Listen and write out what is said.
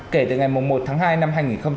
kể từ ngày một tháng hai năm hai nghìn một mươi chín